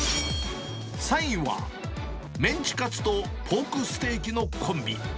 ３位は、メンチカツとポークステーキのコンビ。